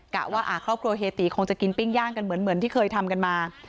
ว่าครอบครัวเฮียตีคงจะกินปิ้งย่างกันเหมือนที่เคยทำกันมา